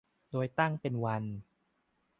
โดยตั้งเป็นวัน